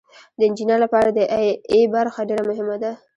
د انجینر لپاره د ای برخه ډیره مهمه ده.